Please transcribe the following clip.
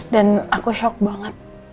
dan aku shock banget